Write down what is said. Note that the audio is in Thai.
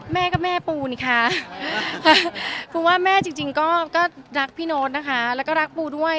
แม่ก็แม่ปูนี่คะปูว่าแม่จริงก็รักพี่โน๊ตนะคะแล้วก็รักปูด้วย